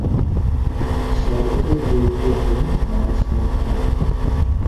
শরৎ এর রূপ দেখে মানুষ মুগ্ধ হয়।